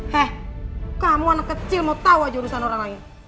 heh kamu anak kecil mau tawa jurusan orang lain